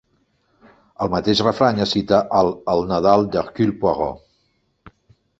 El mateix refrany es cita al "El Nadal d'Hercule Poirot".